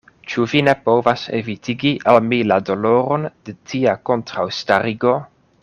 Ĉu vi ne povas evitigi al mi la doloron de tia kontraŭstarigo?